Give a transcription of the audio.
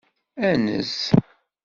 Anez.